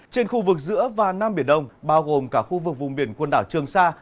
trên khu vực giữa và nam biển đông bao gồm cả khu vực vùng biển quần đảo trường sa